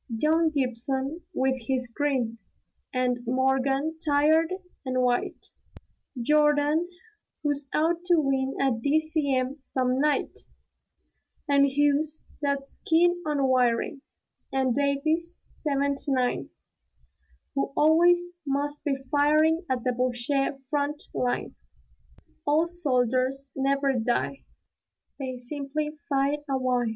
Young Gibson with his grin; and Morgan, tired and white; Jordan, who's out to win a D.C.M. some night: And Hughes that's keen on wiring; and Davies ('79), Who always must be firing at the Boche front line. "Old soldiers never die; they simply fide a why!"